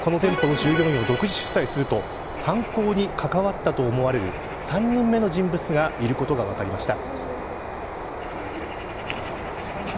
さらに、この店舗の従業員を独自取材すると犯行に関わったとみられる３人目の人物がいることが分かりました。